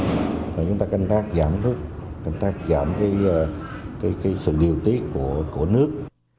hoặc là chúng ta canh tác giảm nước canh tác giảm sự điều tiết của nước